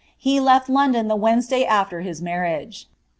lie left London the Wednesday after his marriage.